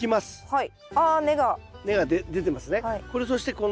はい。